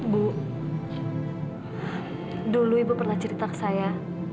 bu dulu ibu pernah cerita ke saya